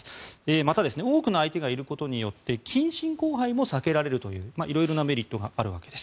また、多くの相手がいることによって近親交配も避けられるという色々なメリットがあるわけです。